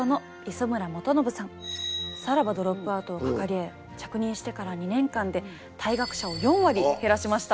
「さらばドロップアウト」を掲げ着任してから２年間で退学者を４割減らしました。